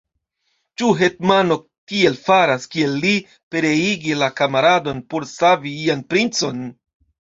Ĉu hetmano tiel faras, kiel li: pereigi la kamaradon por savi ian princon?